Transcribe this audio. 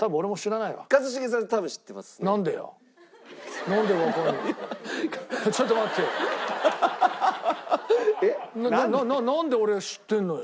なんで俺が知ってるのよ？